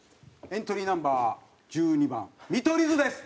エントリーナンバー１２番見取り図です。